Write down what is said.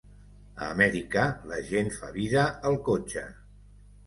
A Amèrica la gent fa vida al cotxe.